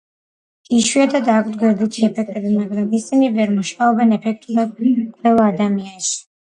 იშვიათად აქვთ გვერდითი ეფექტები, მაგრამ ისინი ვერ მუშაობენ ეფექტურად ყველა ადამიანში.